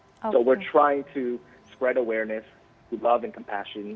jadi kita mencoba untuk menyebarkan kesadaran mencintai dan penyayang